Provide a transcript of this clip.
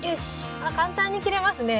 あ簡単に切れますね。